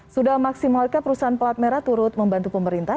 sudah maksimal ke perusahaan pelat merah turut membantu pemerintah